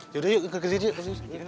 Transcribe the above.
yaudah yuk kerja kerja